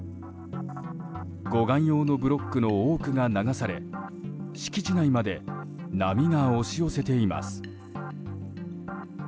護岸用のブロックの多くが流され敷地内まで波が押し寄せています。